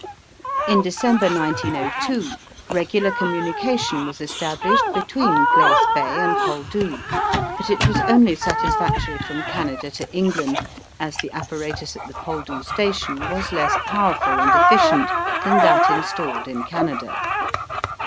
In December, 1902, regular communication was established between Glace Bay and Poldhu, but it was only satisfactory from Canada to England as the apparatus at the Poldhu station was less powerful and efficient than that installed in Canada.